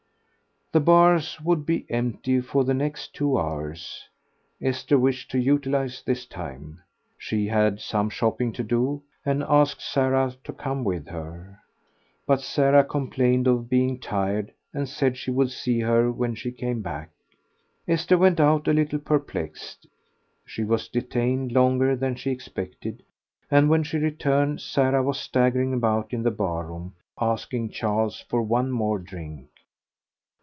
The bars would be empty for the next two hours; Esther wished to utilize this time; she had some shopping to do, and asked Sarah to come with her. But Sarah complained of being tired, and said she would see her when she came back. Esther went out a little perplexed. She was detained longer than she expected, and when she returned Sarah was staggering about in the bar room, asking Charles for one more drink.